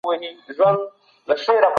کارپوهان به د سولي خبري وکړي.